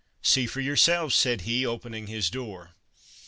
" See for yourselves," said he, opening his door.